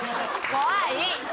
怖い！